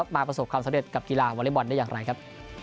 ประสบความสำเร็จกับกีฬาวอเล็กบอลได้อย่างไรครับ